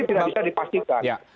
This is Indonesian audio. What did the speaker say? ini tidak bisa dipastikan